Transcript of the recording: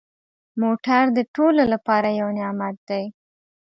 موټر د ټولو لپاره یو نعمت دی.